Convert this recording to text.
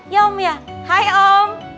ya om ya high om